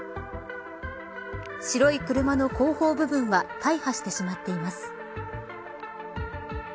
白い車の後方部分は大破してしまっています。